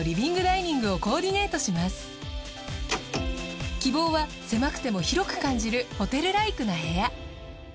家族が過ごす希望は狭くても広く感じるホテルライクな部屋。